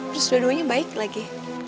terus dua duanya baik lagi